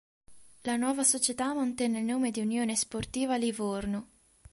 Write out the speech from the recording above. La nuova società mantenne il nome di "Unione Sportiva Livorno".